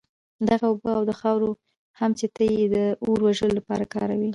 دغه اوبه او دا خاوره هم چي ته ئې د اور وژلو لپاره كاروې